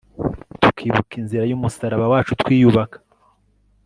tukibuka inzira y'umusaraba wacu twiyubaka